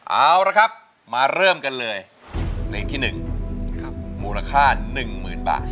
เอาละครับมาเริ่มกันเลยเพลงที่๑มูลค่า๑๐๐๐บาท